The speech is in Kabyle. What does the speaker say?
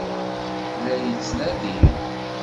La ɣ-yettnadi?